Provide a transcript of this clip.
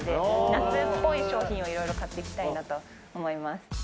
夏っぽい商品をいろいろ買って行きたいなと思います。